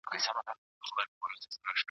حساب کتاب دې باید هر وخت شفاف او روښانه وي.